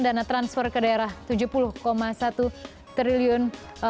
dana transfer ke daerah rp tujuh puluh satu triliun